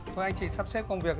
thôi anh chị sắp xếp công việc